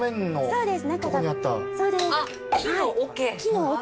そうです。